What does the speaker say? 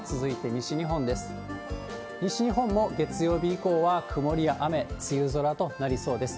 西日本も、月曜日以降は曇りや雨、梅雨空となりそうです。